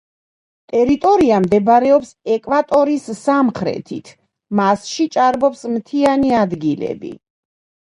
ტერიტორია მდებარეობს ეკვატორის სამხრეთით, მასში ჭარბობს მთიანი ადგილები.